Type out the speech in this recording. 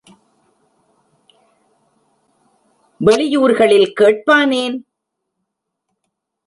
வெளியூர்களில் கேட் பானேன்?